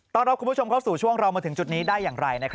รับคุณผู้ชมเข้าสู่ช่วงเรามาถึงจุดนี้ได้อย่างไร